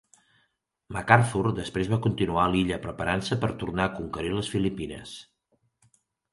MacArthur després va continuar a l'illa preparant-se per tornar a conquerir les Filipines.